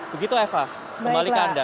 begitu eva kembalikan anda